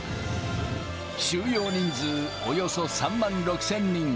収容人数およそ３万６０００人。